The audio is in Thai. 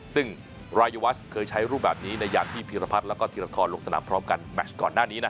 ซึ่งรายวัชเคยใช้รูปแบบนี้ภีรพัฒน์และเทียรทรพรสนาม